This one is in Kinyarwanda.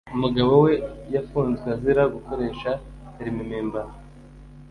Umugabo we yafunzwe azira gukoresha perimi mpimbano